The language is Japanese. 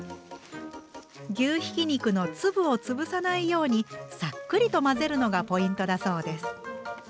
牛ひき肉の粒を潰さないようにさっくりと混ぜるのがポイントだそうです。